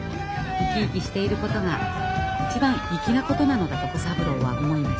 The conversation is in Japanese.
生き生きしていることが一番粋なことなのだと小三郎は思いました。